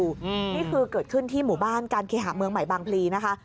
นี่คือเกิดขึ้นที่หมู่บ้านการเคหาเมืองใหม่บางพลีนะคะ